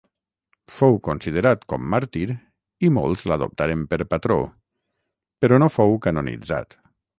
Fou considerat com màrtir, i molts l'adoptaren per patró, però no fou canonitzat.